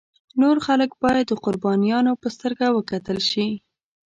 نور خلک باید د قربانیانو په سترګه وکتل شي.